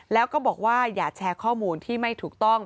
แล้วก็บอกว่าอย่าแชร์ข้อมูลที่ไม่ถูกต้อง